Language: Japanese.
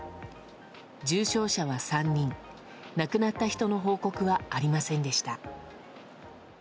重症者は３人、亡くなった人の報告はありませんでした。